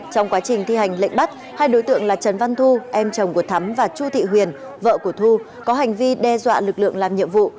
trong quá trình thi hành lệnh bắt hai đối tượng là trần văn thu em chồng của thắm và chu thị huyền vợ của thu có hành vi đe dọa lực lượng làm nhiệm vụ